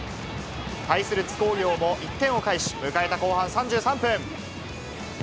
対する津工業も１点を返し、迎えた後半３３分。